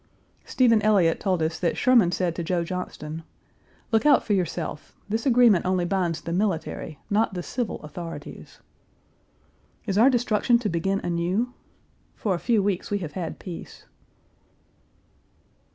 Stephen Elliott told us that Sherman said to Joe Johnston, "Look out for yourself. This agreement only binds the military, not the civil, authorities." Is our destruction to begin anew? For a few weeks we have had peace.